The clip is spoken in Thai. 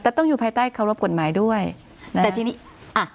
แต่ต้องอยู่ภายใต้เคารพกฎหมายด้วยแต่ทีนี้อ่ะ